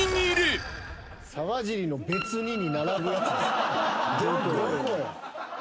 沢尻の「別に」に並ぶやつです。